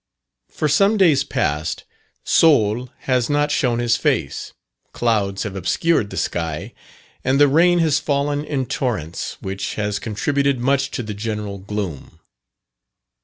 For some days past, Sol has not shown his face, clouds have obscured the sky, and the rain has fallen in torrents, which has contributed much to the general gloom.